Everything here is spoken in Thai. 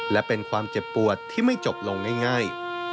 และเป็นความเจ็บปวดที่ไม่จบลงง่าย